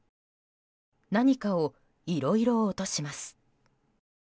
何かをいろいろ落とします。